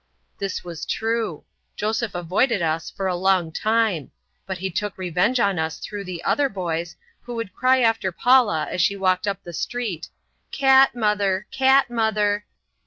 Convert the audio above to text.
This was true. Joseph avoided us for a long time; but he took revenge on us through the other boys, who would cry after Paula as she walked up the street, "Cat mother! Cat mother!"